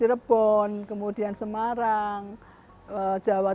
itu memang yang kalau dilihat diteliti sekarang itu memang yang terbanyak